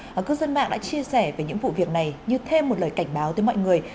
và cư dân mạng đã chia sẻ về những vụ việc này như thêm một lời cảnh báo tới mọi người